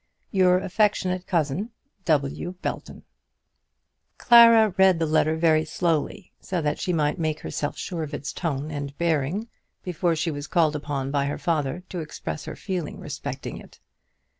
Your affectionate cousin, W. BELTON. Clara read the letter very slowly, so that she might make herself sure of its tone and bearing before she was called upon by her father to express her feeling respecting it.